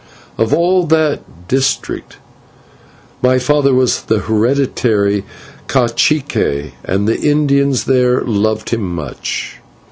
Of all that district my father was the hereditary /cacique/, and the Indians there loved him much.